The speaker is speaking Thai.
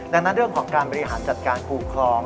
ดังนั้นเรื่องของการบริหารจัดการคู่คลอง